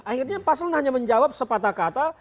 akhirnya paslon hanya menjawab sepatah kata